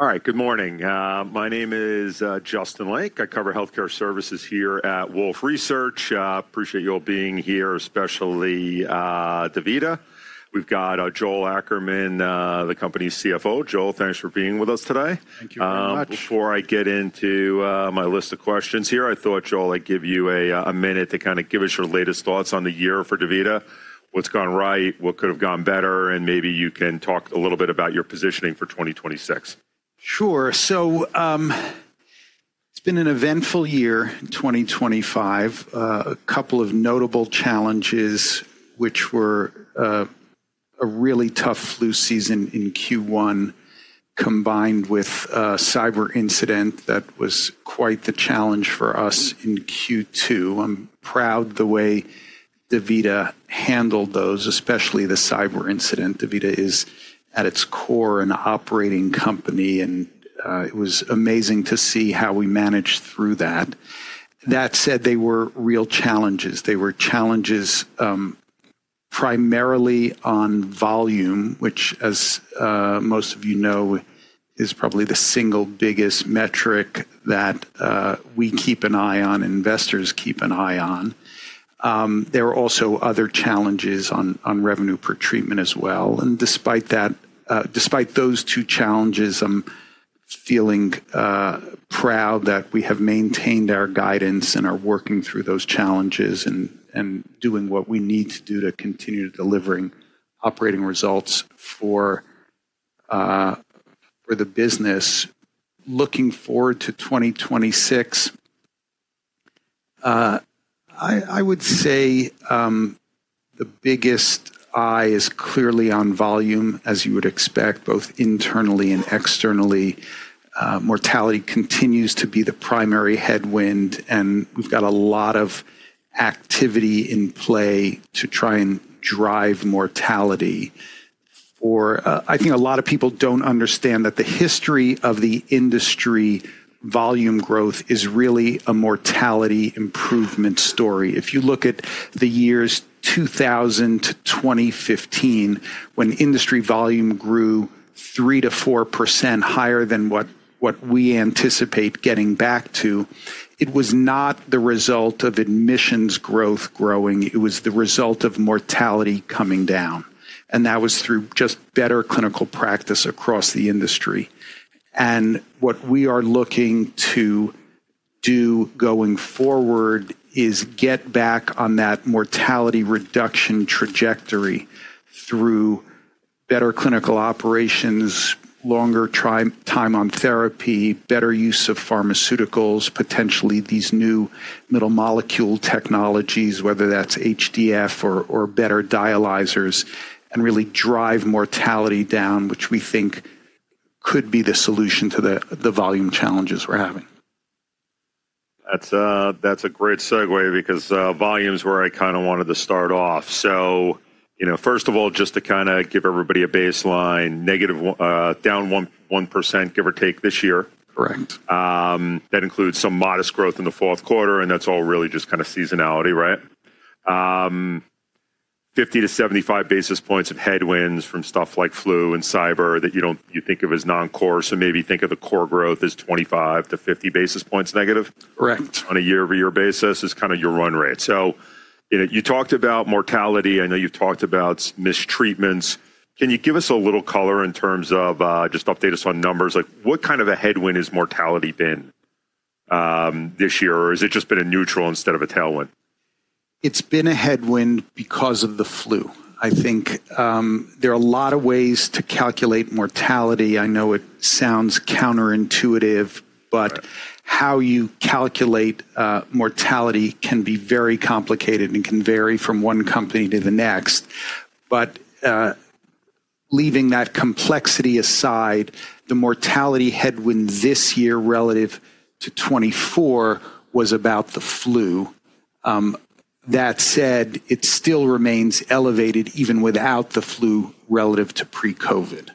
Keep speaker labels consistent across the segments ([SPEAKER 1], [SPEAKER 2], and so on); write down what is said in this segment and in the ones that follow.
[SPEAKER 1] All right, good morning. My name is Justin Lake. I cover healthcare services here at Wolfe Research. Appreciate you all being here, especially DaVita. We've got Joel Ackerman, the company's CFO. Joel, thanks for being with us today.
[SPEAKER 2] Thank you very much.
[SPEAKER 1] Before I get into my list of questions here, I thought, Joel, I'd give you a minute to kind of give us your latest thoughts on the year for DaVita. What's gone right? What could have gone better? Maybe you can talk a little bit about your positioning for 2026.
[SPEAKER 2] Sure. It has been an eventful year, 2025. A couple of notable challenges, which were a really tough flu season in Q1, combined with a cyber incident that was quite the challenge for us in Q2. I'm proud of the way DaVita handled those, especially the cyber incident. DaVita is, at its core, an operating company, and it was amazing to see how we managed through that. That said, they were real challenges. They were challenges primarily on volume, which, as most of you know, is probably the single biggest metric that we keep an eye on, investors keep an eye on. There are also other challenges on revenue per treatment as well. Despite those two challenges, I'm feeling proud that we have maintained our guidance and are working through those challenges and doing what we need to do to continue delivering operating results for the business. Looking forward to 2026, I would say the biggest eye is clearly on volume, as you would expect, both internally and externally. Mortality continues to be the primary headwind, and we've got a lot of activity in play to try and drive mortality. I think a lot of people don't understand that the history of the industry volume growth is really a mortality improvement story. If you look at the years 2000 to 2015, when industry volume grew 3%-4% higher than what we anticipate getting back to, it was not the result of admissions growth growing. It was the result of mortality coming down. That was through just better clinical practice across the industry. What we are looking to do going forward is get back on that mortality reduction trajectory through better clinical operations, longer time on therapy, better use of pharmaceuticals, potentially these new middle molecule technologies, whether that's HDF or better dialyzers, and really drive mortality down, which we think could be the solution to the volume challenges we're having.
[SPEAKER 1] That's a great segue because volume is where I kind of wanted to start off. First of all, just to kind of give everybody a baseline, down 1%, give or take, this year.
[SPEAKER 2] Correct.
[SPEAKER 1] That includes some modest growth in the fourth quarter, and that's all really just kind of seasonality, right? 50-75 basis points of headwinds from stuff like flu and cyber that you think of as non-core. So maybe think of the core growth as 25-50 basis points negative.
[SPEAKER 2] Correct.
[SPEAKER 1] On a year-over-year basis is kind of your run rate. So you talked about mortality. I know you've talked about mistreatments. Can you give us a little color in terms of just update us on numbers? What kind of a headwind has mortality been this year? Or has it just been a neutral instead of a tailwind?
[SPEAKER 2] It's been a headwind because of the flu. I think there are a lot of ways to calculate mortality. I know it sounds counterintuitive, but how you calculate mortality can be very complicated and can vary from one company to the next. Leaving that complexity aside, the mortality headwind this year relative to 2024 was about the flu. That said, it still remains elevated even without the flu relative to pre-COVID.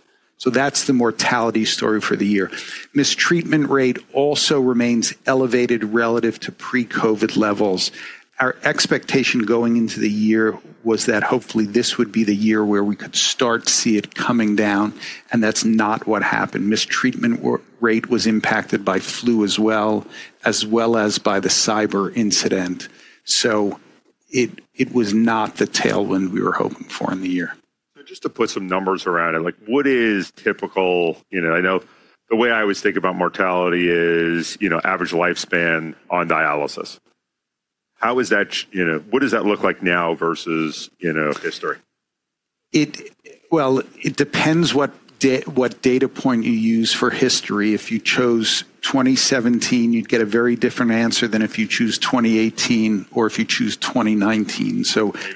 [SPEAKER 2] That is the mortality story for the year. Mistreatment rate also remains elevated relative to pre-COVID levels. Our expectation going into the year was that hopefully this would be the year where we could start to see it coming down, and that is not what happened. Mistreatment rate was impacted by flu as well, as well as by the cyber incident. It was not the tailwind we were hoping for in the year.
[SPEAKER 1] Just to put some numbers around it, what is typical? I know the way I always think about mortality is average lifespan on dialysis. What does that look like now versus history?
[SPEAKER 2] It depends what data point you use for history. If you chose 2017, you'd get a very different answer than if you choose 2018 or if you choose 2019.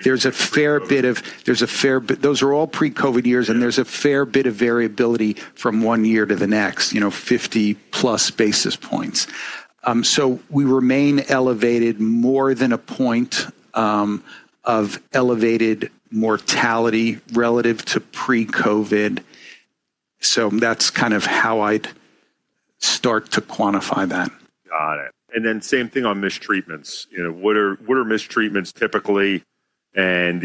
[SPEAKER 2] There's a fair bit of those are all pre-COVID years, and there's a fair bit of variability from one year to the next, 50-plus basis points. We remain elevated more than a point of elevated mortality relative to pre-COVID. That's kind of how I'd start to quantify that.
[SPEAKER 1] Got it. And then same thing on mistreatments. What are mistreatments typically, and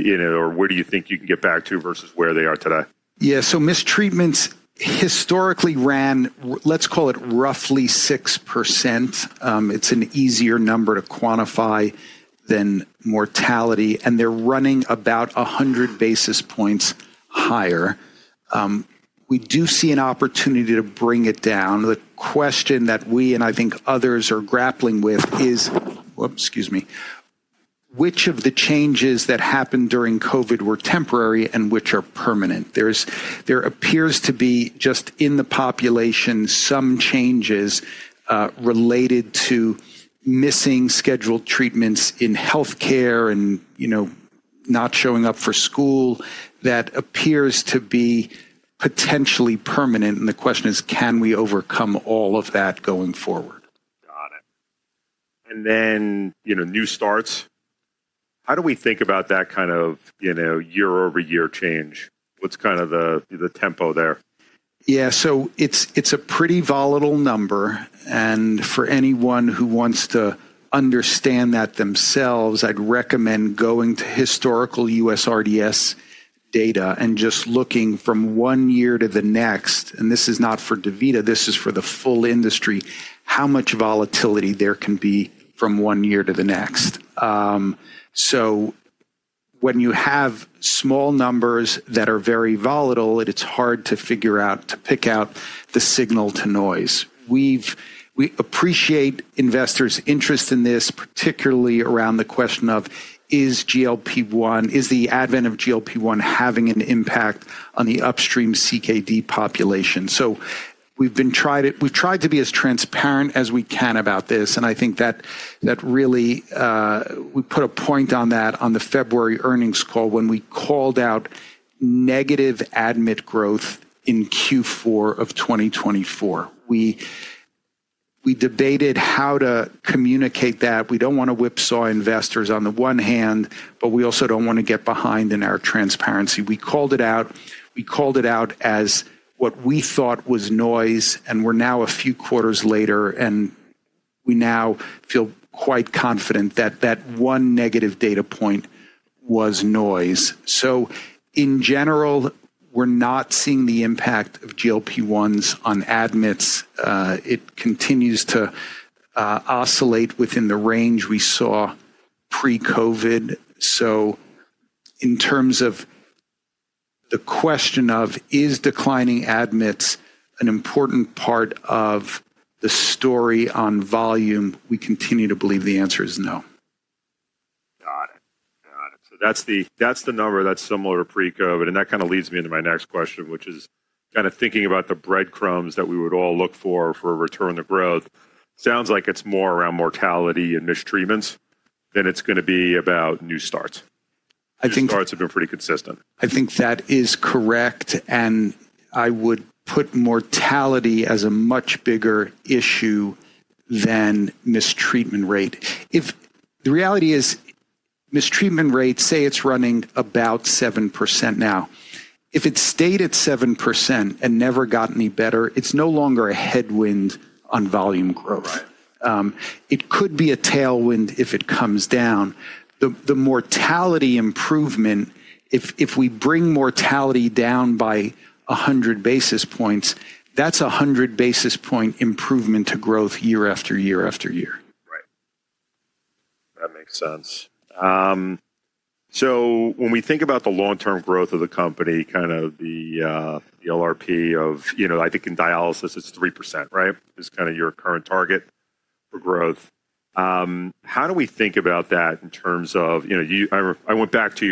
[SPEAKER 1] where do you think you can get back to versus where they are today?
[SPEAKER 2] Yeah, so mistreatments historically ran, let's call it roughly 6%. It's an easier number to quantify than mortality, and they're running about 100 basis points higher. We do see an opportunity to bring it down. The question that we and I think others are grappling with is, excuse me, which of the changes that happened during COVID were temporary and which are permanent? There appears to be just in the population some changes related to missing scheduled treatments in healthcare and not showing up for school that appears to be potentially permanent. The question is, can we overcome all of that going forward?
[SPEAKER 1] Got it. And then new starts. How do we think about that kind of year-over-year change? What's kind of the tempo there?
[SPEAKER 2] Yeah, so it's a pretty volatile number. For anyone who wants to understand that themselves, I'd recommend going to historical USRDS data and just looking from one year to the next. This is not for DaVita. This is for the full industry, how much volatility there can be from one year to the next. When you have small numbers that are very volatile, it's hard to figure out, to pick out the signal to noise. We appreciate investors' interest in this, particularly around the question of, is GLP-1, is the advent of GLP-1 having an impact on the upstream CKD population? We've tried to be as transparent as we can about this. I think that really we put a point on that on the February earnings call when we called out negative admit growth in Q4 of 2024. We debated how to communicate that. We don't want to whipsaw investors on the one hand, but we also don't want to get behind in our transparency. We called it out. We called it out as what we thought was noise, and we're now a few quarters later, and we now feel quite confident that that one negative data point was noise. In general, we're not seeing the impact of GLP-1s on admits. It continues to oscillate within the range we saw pre-COVID. In terms of the question of, is declining admits an important part of the story on volume, we continue to believe the answer is no.
[SPEAKER 1] Got it. Got it. So that's the number that's similar to pre-COVID. And that kind of leads me into my next question, which is kind of thinking about the breadcrumbs that we would all look for for return to growth. Sounds like it's more around mortality and mistreatments than it's going to be about new starts.
[SPEAKER 2] I think.
[SPEAKER 1] New starts have been pretty consistent.
[SPEAKER 2] I think that is correct. I would put mortality as a much bigger issue than mistreatment rate. The reality is, mistreatment rate, say it is running about 7% now. If it stayed at 7% and never got any better, it is no longer a headwind on volume growth. It could be a tailwind if it comes down. The mortality improvement, if we bring mortality down by 100 basis points, that is a 100-basis-point improvement to growth year after year after year.
[SPEAKER 1] Right. That makes sense. So when we think about the long-term growth of the company, kind of the LRP of, I think in dialysis, it's 3%, right? It's kind of your current target for growth. How do we think about that in terms of, I went back to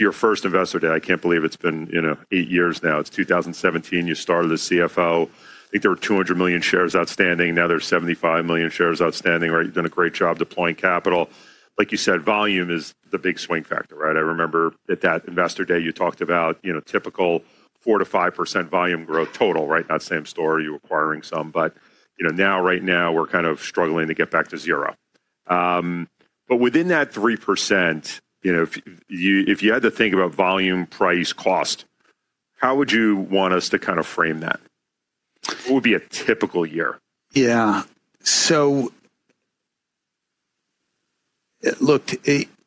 [SPEAKER 1] your first investor day. I can't believe it's been eight years now. It's 2017. You started as CFO. I think there were 200 million shares outstanding. Now there's 75 million shares outstanding, right? You've done a great job deploying capital. Like you said, volume is the big swing factor, right? I remember at that investor day, you talked about typical 4%-5% volume growth total, right? Not the same story. You're acquiring some. But now, right now, we're kind of struggling to get back to zero. Within that 3%, if you had to think about volume, price, cost, how would you want us to kind of frame that? What would be a typical year?
[SPEAKER 2] Yeah. So look,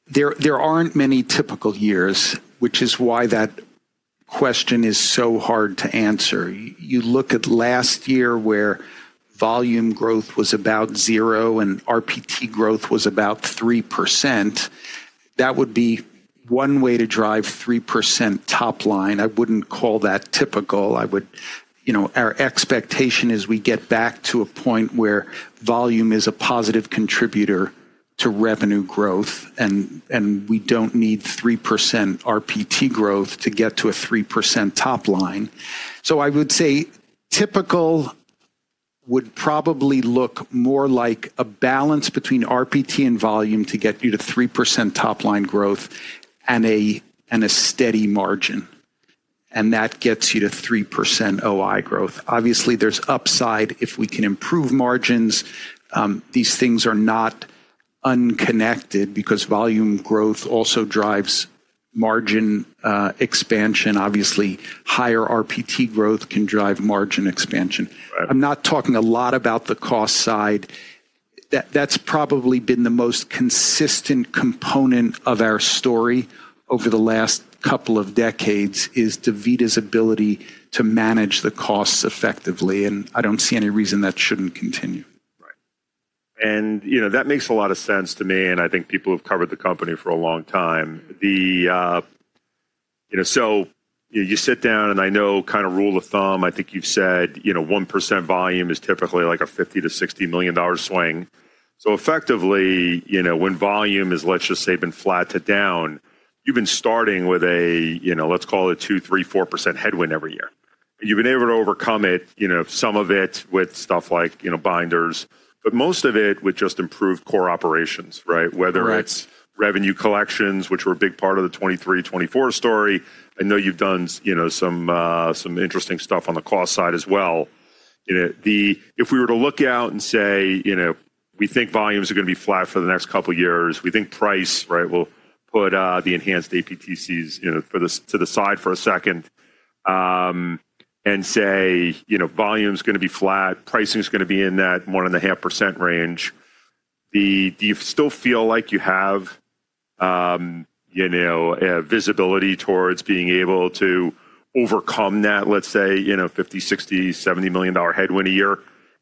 [SPEAKER 2] there aren't many typical years, which is why that question is so hard to answer. You look at last year where volume growth was about zero and RPT growth was about 3%. That would be one way to drive 3% top line. I wouldn't call that typical. Our expectation is we get back to a point where volume is a positive contributor to revenue growth, and we don't need 3% RPT growth to get to a 3% top line. I would say typical would probably look more like a balance between RPT and volume to get you to 3% top line growth and a steady margin. That gets you to 3% OI growth. Obviously, there's upside if we can improve margins. These things are not unconnected because volume growth also drives margin expansion. Obviously, higher RPT growth can drive margin expansion. I'm not talking a lot about the cost side. That's probably been the most consistent component of our story over the last couple of decades is DaVita's ability to manage the costs effectively. I don't see any reason that shouldn't continue.
[SPEAKER 1] Right. That makes a lot of sense to me. I think people have covered the company for a long time. You sit down, and I know kind of rule of thumb, I think you've said 1% volume is typically like a $50 million-$60 million swing. Effectively, when volume has, let's just say, been flat to down, you've been starting with a, let's call it a 2%-3%-4% headwind every year. You've been able to overcome it, some of it with stuff like binders, but most of it with just improved core operations, right? Whether it's revenue collections, which were a big part of the 2023, 2024 story. I know you've done some interesting stuff on the cost side as well. If we were to look out and say, we think volumes are going to be flat for the next couple of years. We think price, right? We'll put the enhanced APTCs to the side for a second and say, volume's going to be flat. Pricing's going to be in that 1.5% range. Do you still feel like you have visibility towards being able to overcome that, let's say, $50 million-$60 million-$70 million headwind a year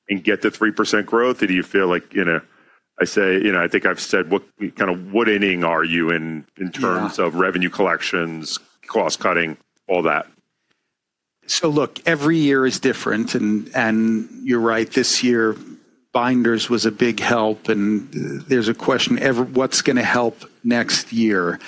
[SPEAKER 1] and get to 3% growth? Or do you feel like, I say, I think I've said, kind of what inning are you in terms of revenue collections, cost cutting, all that?
[SPEAKER 2] Look, every year is different. And you're right. This year, binders was a big help. And there's a question, what's going to help next year?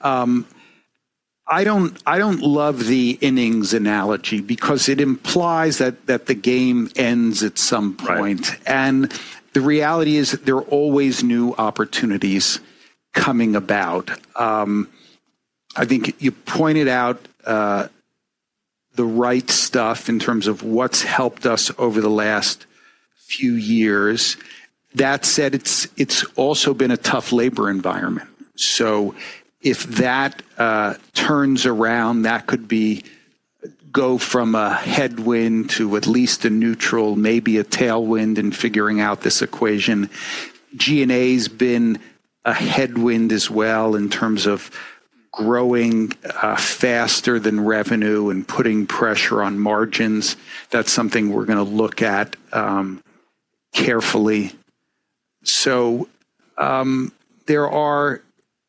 [SPEAKER 2] I don't love the innings analogy because it implies that the game ends at some point. The reality is there are always new opportunities coming about. I think you pointed out the right stuff in terms of what's helped us over the last few years. That said, it's also been a tough labor environment. If that turns around, that could go from a headwind to at least a neutral, maybe a tailwind in figuring out this equation. G&A has been a headwind as well in terms of growing faster than revenue and putting pressure on margins. That's something we're going to look at carefully.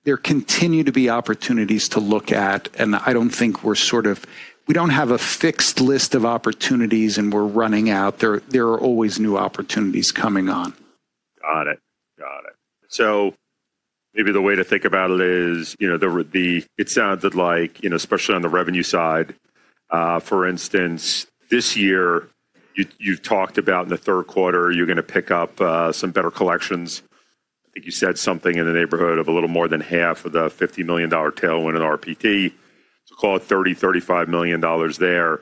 [SPEAKER 2] There continue to be opportunities to look at. I don't think we're sort of, we don't have a fixed list of opportunities and we're running out. There are always new opportunities coming on.
[SPEAKER 1] Got it. Got it. Maybe the way to think about it is it sounded like, especially on the revenue side, for instance, this year, you've talked about in the third quarter, you're going to pick up some better collections. I think you said something in the neighborhood of a little more than half of the $50 million tailwind in RPT. Call it $30 million-$35 million there.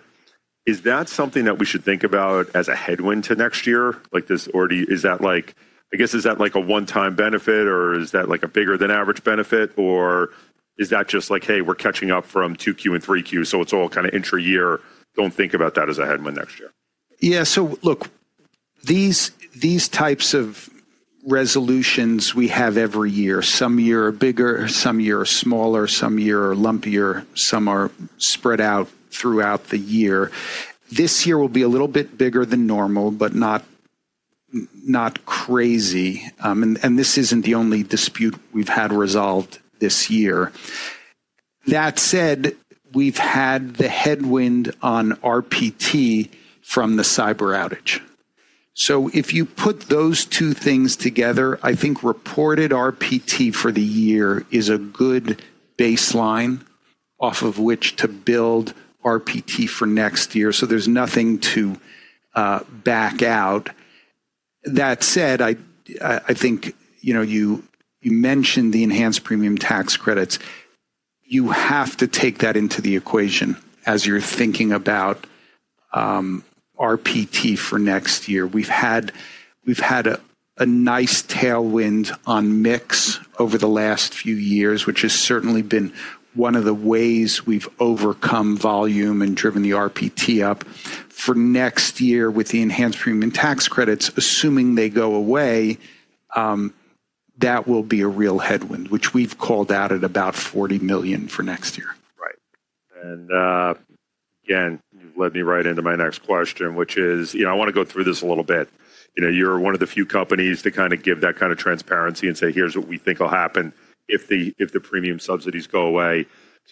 [SPEAKER 1] Is that something that we should think about as a headwind to next year? Is that like, I guess, is that like a one-time benefit, or is that like a bigger-than-average benefit, or is that just like, hey, we're catching up from 2Q and 3Q, so it's all kind of intra-year? Do not think about that as a headwind next year.
[SPEAKER 2] Yeah. Look, these types of resolutions we have every year. Some years are bigger, some years are smaller, some years are lumpier, some are spread out throughout the year. This year will be a little bit bigger than normal, but not crazy. This is not the only dispute we've had resolved this year. That said, we've had the headwind on RPT from the cyber outage. If you put those two things together, I think reported RPT for the year is a good baseline off of which to build RPT for next year. There's nothing to back out. That said, I think you mentioned the enhanced premium tax credits. You have to take that into the equation as you're thinking about RPT for next year. We've had a nice tailwind on mix over the last few years, which has certainly been one of the ways we've overcome volume and driven the RPT up. For next year, with the enhanced premium tax credits, assuming they go away, that will be a real headwind, which we've called out at about $40 million for next year.
[SPEAKER 1] Right. Again, you've led me right into my next question, which is I want to go through this a little bit. You're one of the few companies to kind of give that kind of transparency and say, here's what we think will happen if the premium subsidies go away.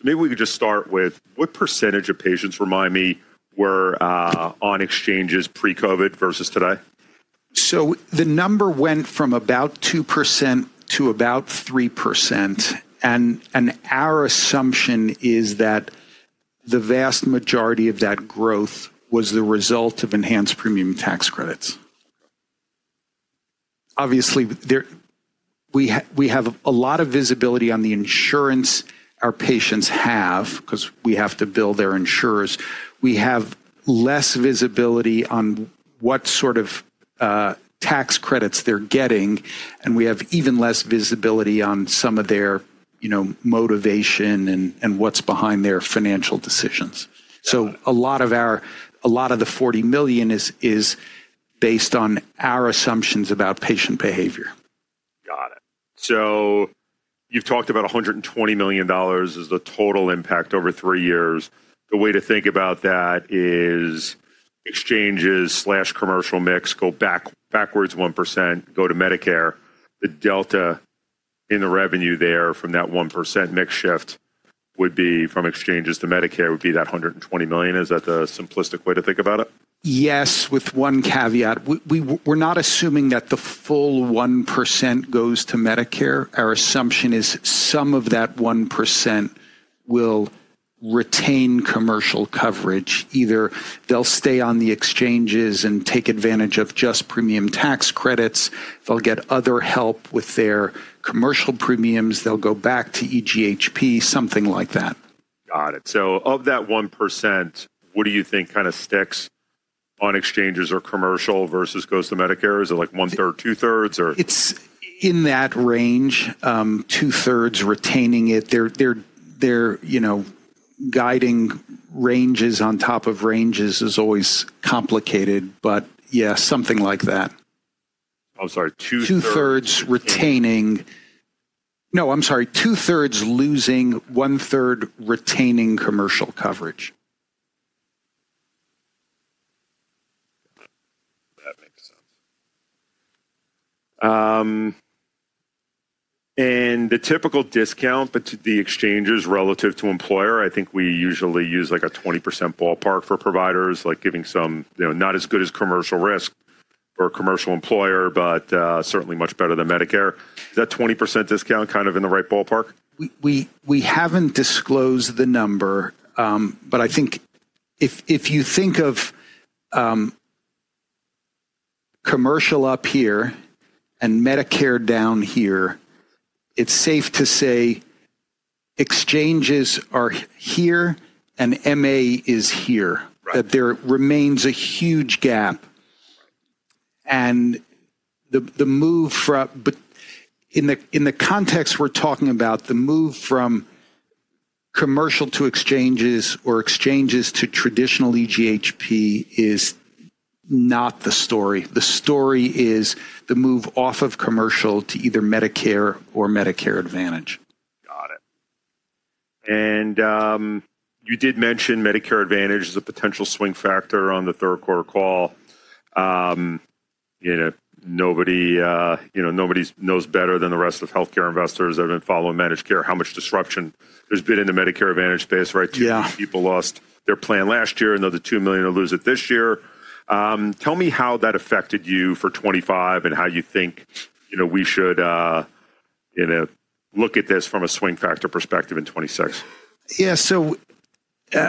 [SPEAKER 1] Maybe we could just start with what percentage of patients, remind me, were on exchanges pre-COVID versus today?
[SPEAKER 2] The number went from about 2% to about 3%. Our assumption is that the vast majority of that growth was the result of enhanced premium tax credits. Obviously, we have a lot of visibility on the insurance our patients have because we have to bill their insurers. We have less visibility on what sort of tax credits they're getting. We have even less visibility on some of their motivation and what's behind their financial decisions. A lot of the $40 million is based on our assumptions about patient behavior.
[SPEAKER 1] Got it. So you've talked about $120 million as the total impact over three years. The way to think about that is exchanges/commercial mix go backwards 1%, go to Medicare. The delta in the revenue there from that 1% mix shift would be from exchanges to Medicare would be that $120 million. Is that the simplistic way to think about it?
[SPEAKER 2] Yes, with one caveat. We're not assuming that the full 1% goes to Medicare. Our assumption is some of that 1% will retain commercial coverage. Either they'll stay on the exchanges and take advantage of just premium tax credits. They'll get other help with their commercial premiums. They'll go back to EGHP, something like that.
[SPEAKER 1] Got it. So of that 1%, what do you think kind of sticks on exchanges or commercial versus goes to Medicare? Is it like one-third, two-thirds, or?
[SPEAKER 2] It's in that range. Two-thirds retaining it. Guiding ranges on top of ranges is always complicated, but yeah, something like that.
[SPEAKER 1] I'm sorry. Two-thirds.
[SPEAKER 2] Two-thirds retaining. No, I'm sorry. Two-thirds losing, one-third retaining commercial coverage.
[SPEAKER 1] That makes sense. The typical discount to the exchanges relative to employer, I think we usually use like a 20% ballpark for providers, like giving some not as good as commercial risk for a commercial employer, but certainly much better than Medicare. Is that 20% discount kind of in the right ballpark?
[SPEAKER 2] We haven't disclosed the number, but I think if you think of commercial up here and Medicare down here, it's safe to say exchanges are here and MA is here. There remains a huge gap. The move from, in the context we're talking about, the move from commercial to exchanges or exchanges to traditional EGHP is not the story. The story is the move off of commercial to either Medicare or Medicare Advantage.
[SPEAKER 1] Got it. You did mention Medicare Advantage as a potential swing factor on the third quarter call. Nobody knows better than the rest of healthcare investors that have been following managed care how much disruption there's been in the Medicare Advantage space, right?
[SPEAKER 2] Yeah.
[SPEAKER 1] Two people lost their plan last year, and they're the $2 million to lose it this year. Tell me how that affected you for 2025 and how you think we should look at this from a swing factor perspective in 2026.
[SPEAKER 2] Yeah.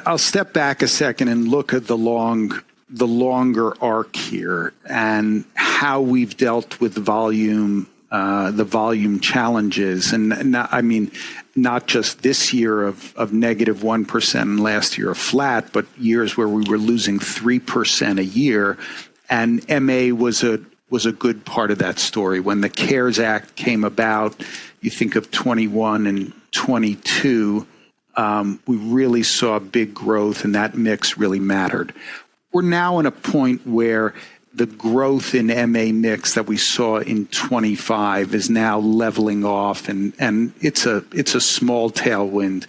[SPEAKER 2] I'll step back a second and look at the longer arc here and how we've dealt with the volume challenges. I mean, not just this year of negative 1% and last year of flat, but years where we were losing 3% a year. MA was a good part of that story. When the CARES Act came about, you think of 2021 and 2022, we really saw big growth, and that mix really mattered. We're now in a point where the growth in MA mix that we saw in 2025 is now leveling off. It's a small tailwind,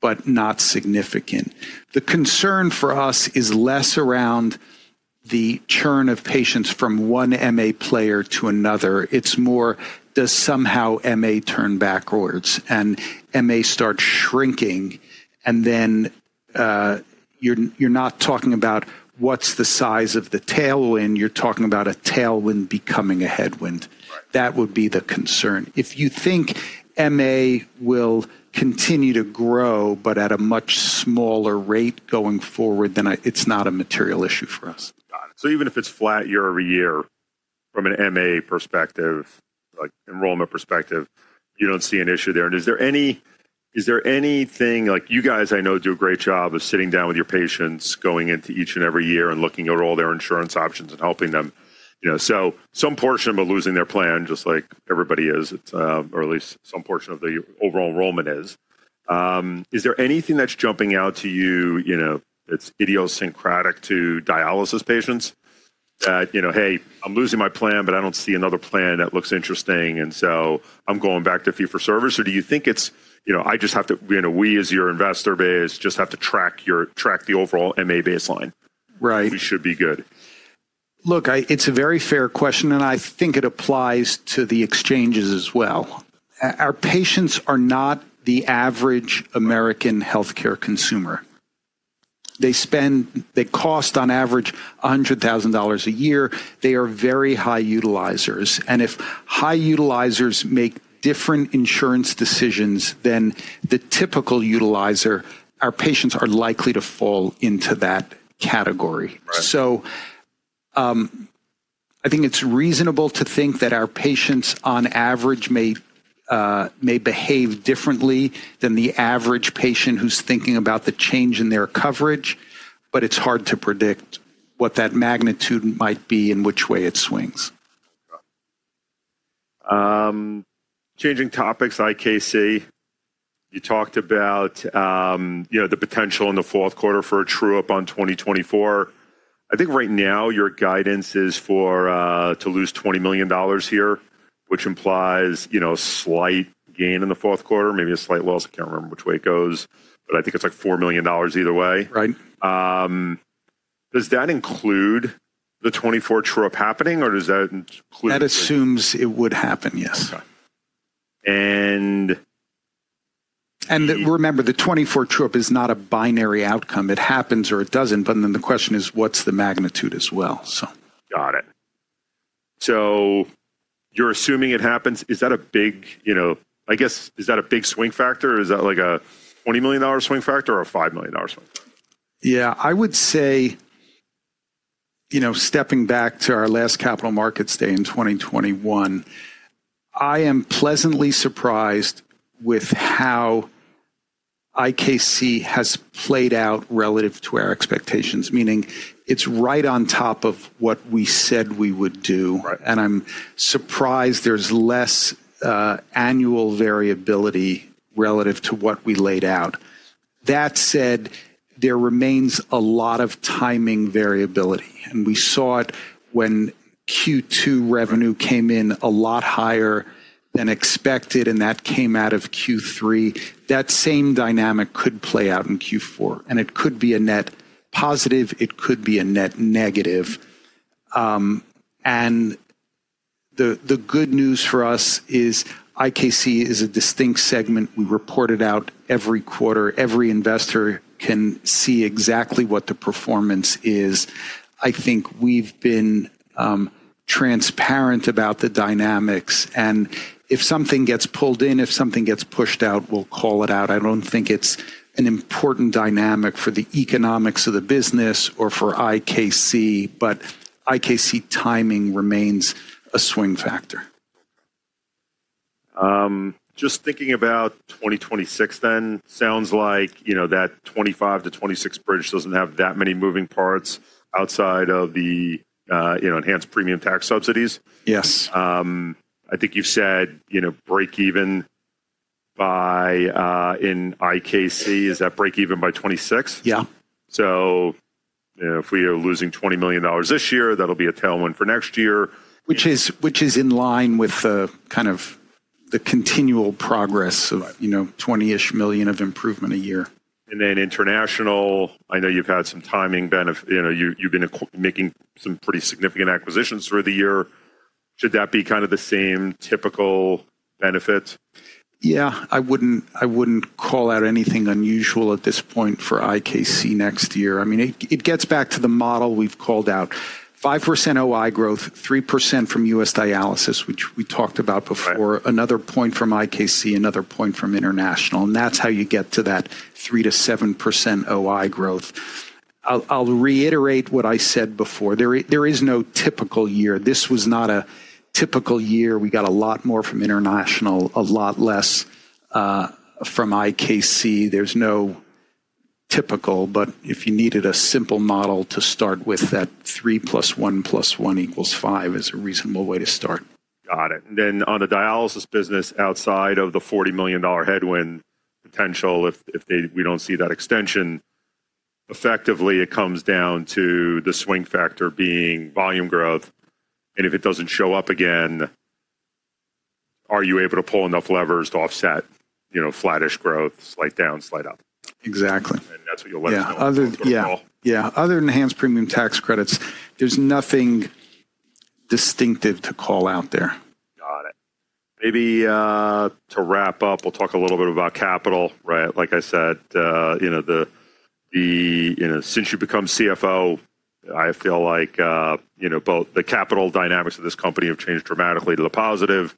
[SPEAKER 2] but not significant. The concern for us is less around the churn of patients from one MA player to another. It's more, does somehow MA turn backwards and MA start shrinking? Then you're not talking about what's the size of the tailwind. You're talking about a tailwind becoming a headwind. That would be the concern. If you think MA will continue to grow, but at a much smaller rate going forward, then it's not a material issue for us.
[SPEAKER 1] Got it. Even if it's flat year-over-year from an MA perspective, enrollment perspective, you don't see an issue there. Is there anything, like you guys, I know, do a great job of sitting down with your patients, going into each and every year and looking at all their insurance options and helping them. Some portion of losing their plan, just like everybody is, or at least some portion of the overall enrollment is. Is there anything that's jumping out to you that's idiosyncratic to dialysis patients, that, hey, I'm losing my plan, but I don't see another plan that looks interesting, and so I'm going back to fee for service? Do you think it's, I just have to, we as your investor base just have to track the overall MA baseline?
[SPEAKER 2] Right.
[SPEAKER 1] We should be good.
[SPEAKER 2] Look, it's a very fair question, and I think it applies to the exchanges as well. Our patients are not the average American healthcare consumer. They cost on average $100,000 a year. They are very high utilizers. If high utilizers make different insurance decisions than the typical utilizer, our patients are likely to fall into that category. I think it's reasonable to think that our patients on average may behave differently than the average patient who's thinking about the change in their coverage, but it's hard to predict what that magnitude might be and which way it swings.
[SPEAKER 1] Changing topics, IKC. You talked about the potential in the fourth quarter for a true-up on 2024. I think right now your guidance is to lose $20 million here, which implies a slight gain in the fourth quarter, maybe a slight loss. I can't remember which way it goes, but I think it's like $4 million either way.
[SPEAKER 2] Right.
[SPEAKER 1] Does that include the '24 true-up happening, or does that include?
[SPEAKER 2] That assumes it would happen, yes.
[SPEAKER 1] Okay. And.
[SPEAKER 2] Remember, the '24 true-up is not a binary outcome. It happens or it does not, but then the question is, what is the magnitude as well?
[SPEAKER 1] Got it. So you're assuming it happens. Is that a big, I guess, is that a big swing factor? Is that like a $20 million swing factor or a $5 million swing factor?
[SPEAKER 2] Yeah. I would say, stepping back to our last capital markets day in 2021, I am pleasantly surprised with how IKC has played out relative to our expectations, meaning it's right on top of what we said we would do. I am surprised there's less annual variability relative to what we laid out. That said, there remains a lot of timing variability. We saw it when Q2 revenue came in a lot higher than expected, and that came out of Q3. That same dynamic could play out in Q4, and it could be a net positive. It could be a net negative. The good news for us is IKC is a distinct segment. We report it out every quarter. Every investor can see exactly what the performance is. I think we've been transparent about the dynamics. If something gets pulled in, if something gets pushed out, we'll call it out. I don't think it's an important dynamic for the economics of the business or for IKC, but IKC timing remains a swing factor.
[SPEAKER 1] Just thinking about 2026 then, sounds like that '25-'26 bridge does not have that many moving parts outside of the enhanced premium tax subsidies.
[SPEAKER 2] Yes.
[SPEAKER 1] I think you've said break-even by in IKC, is that break-even by 2026?
[SPEAKER 2] Yeah.
[SPEAKER 1] If we are losing $20 million this year, that'll be a tailwind for next year.
[SPEAKER 2] Which is in line with kind of the continual progress of $20 million-ish of improvement a year.
[SPEAKER 1] Internationally, I know you've had some timing benefit. You've been making some pretty significant acquisitions through the year. Should that be kind of the same typical benefit?
[SPEAKER 2] Yeah. I would not call out anything unusual at this point for IKC next year. I mean, it gets back to the model we have called out. 5% OI growth, 3% from U.S. dialysis, which we talked about before. Another point from IKC, another point from international. That is how you get to that 3%-7% OI growth. I will reiterate what I said before. There is no typical year. This was not a typical year. We got a lot more from international, a lot less from IKC. There is no typical, but if you needed a simple model to start with, that 3 plus 1 plus 1 equals 5 is a reasonable way to start.
[SPEAKER 1] Got it. On the dialysis business outside of the $40 million headwind potential, if we do not see that extension, effectively it comes down to the swing factor being volume growth. If it does not show up again, are you able to pull enough levers to offset flattish growth, slight down, slight up?
[SPEAKER 2] Exactly.
[SPEAKER 1] That's what you'll let us know.
[SPEAKER 2] Yeah. Yeah. Other enhanced premium tax credits, there's nothing distinctive to call out there.
[SPEAKER 1] Got it. Maybe to wrap up, we'll talk a little bit about capital, right? Like I said, since you become CFO, I feel like both the capital dynamics of this company have changed dramatically to the positive.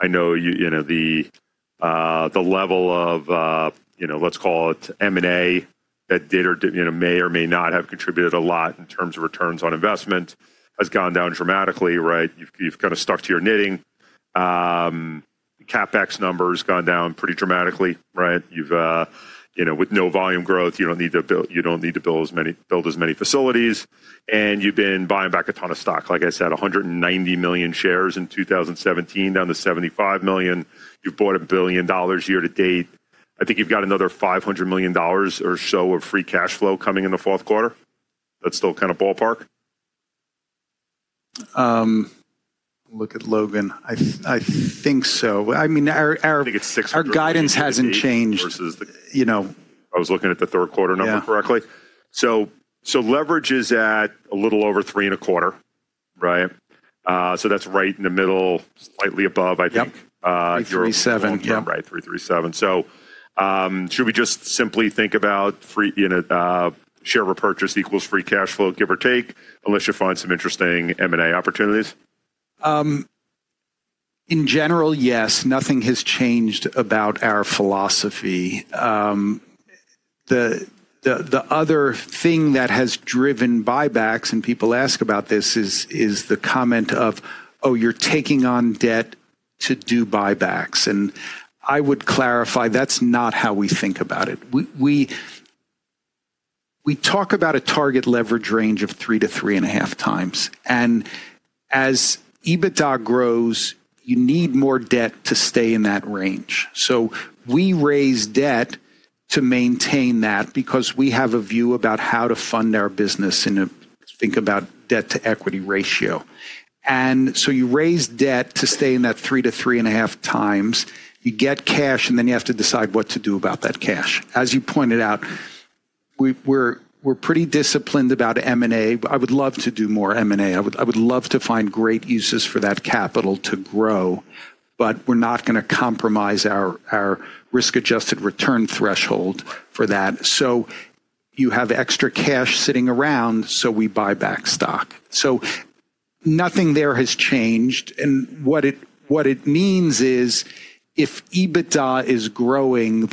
[SPEAKER 1] I know the level of, let's call it M&A that may or may not have contributed a lot in terms of returns on investment has gone down dramatically, right? You've kind of stuck to your knitting. CapEx number has gone down pretty dramatically, right? With no volume growth, you don't need to build as many facilities. And you've been buying back a ton of stock. Like I said, 190 million shares in 2017, down to 75 million. You've bought a billion dollars year to date. I think you've got another $500 million or so of free cash flow coming in the fourth quarter. That's still kind of ballpark?
[SPEAKER 2] Look at Logan. I think so. I mean, our guidance hasn't changed.
[SPEAKER 1] I think it's 6%.
[SPEAKER 2] Versus the.
[SPEAKER 1] I was looking at the third quarter number correctly. So leverage is at a little over three and a quarter, right? So that's right in the middle, slightly above, I think.
[SPEAKER 2] Yeah. 337. Yeah.
[SPEAKER 1] Right. 337. Should we just simply think about share repurchase equals free cash flow, give or take, unless you find some interesting M&A opportunities?
[SPEAKER 2] In general, yes. Nothing has changed about our philosophy. The other thing that has driven buybacks, and people ask about this, is the comment of, "Oh, you're taking on debt to do buybacks." I would clarify that's not how we think about it. We talk about a target leverage range of three to three and a half times. As EBITDA grows, you need more debt to stay in that range. We raise debt to maintain that because we have a view about how to fund our business in a think about debt to equity ratio. You raise debt to stay in that three to three and a half times. You get cash, and then you have to decide what to do about that cash. As you pointed out, we're pretty disciplined about M&A. I would love to do more M&A. I would love to find great uses for that capital to grow, but we're not going to compromise our risk-adjusted return threshold for that. You have extra cash sitting around, so we buy back stock. Nothing there has changed. What it means is if EBITDA is growing,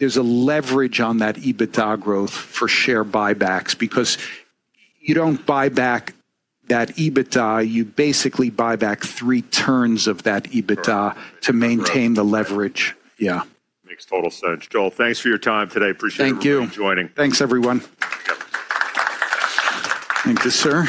[SPEAKER 2] there's a leverage on that EBITDA growth for share buybacks because you don't buy back that EBITDA. You basically buy back three turns of that EBITDA to maintain the leverage. Yeah.
[SPEAKER 1] Makes total sense. Joel, thanks for your time today. Appreciate you joining.
[SPEAKER 2] Thank you. Thanks, everyone.
[SPEAKER 1] Yep.
[SPEAKER 2] Thank you, sir.